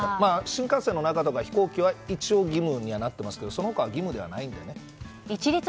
新幹線や飛行機の中は一応義務にはなっていますがその他は義務ではないので。